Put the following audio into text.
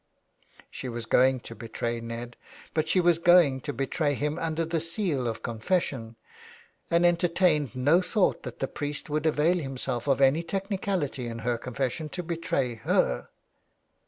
She was going to betray Ned, but she was going to betray him under the seal of confession, and enter tained no thought that the priest would avail himself of any technicality in her confession to betray her.